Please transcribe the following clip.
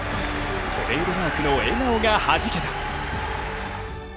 トレードマークの笑顔がはじけた。